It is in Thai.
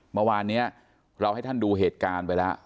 เมื่อวานนี้เราให้ท่านดูเหตุการณ์ไปแล้ว